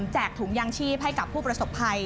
ถุงยางชีพให้กับผู้ประสบภัย